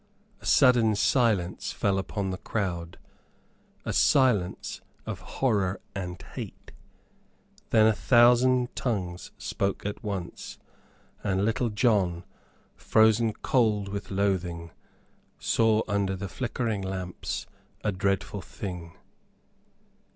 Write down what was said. A sudden silence fell upon the crowd, a silence of horror and hate. Then a thousand tongues spoke at once, and Little John, frozen cold with loathing, saw under the flickering lamps a dreadful thing.